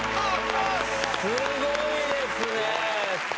すごいですね！